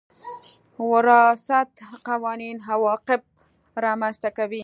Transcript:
وراثت قوانين عواقب رامنځ ته کوي.